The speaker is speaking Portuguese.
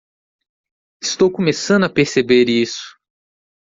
Estou começando a perceber isso.